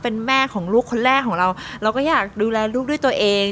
เป็นแม่ของลูกคนแรกของเราเราก็อยากดูแลลูกด้วยตัวเอง